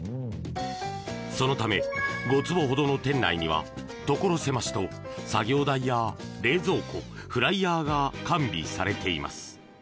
そのため、５坪ほどの店内には所狭しと作業台や冷蔵庫フライヤーが完備されています。